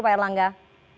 apa yang langkah